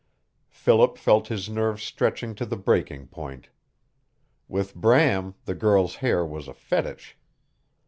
Philip felt his nerves stretching to the breaking point. With Bram the girl's hair was a fetich.